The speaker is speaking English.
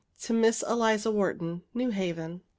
TO MISS ELIZA WHARTON. NEW HAVEN.